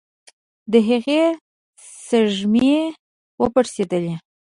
د هغې سږمې وپړسېدلې.